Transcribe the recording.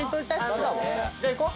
じゃあ行こう。